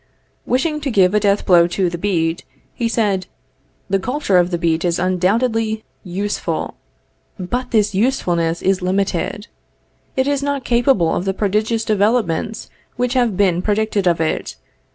Wishing to give a death blow to the beet, he said: "The culture of the beet is undoubtedly useful, but this usefulness is limited. It is not capable of the prodigious developments which have been predicted of it.